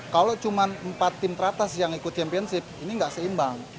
kalau cuma empat tim teratas yang ikut championship ini nggak seimbang